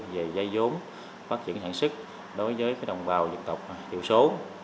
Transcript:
ba mươi hai năm mươi bốn về giai giống phát triển hạn sức đối với đồng bào dân tộc tiểu số